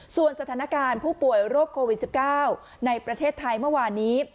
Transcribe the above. ส่วนสถานการณ์ผู้ป่วยโรคโควิด๑๙ในประเทศไทยเมื่อวานนี้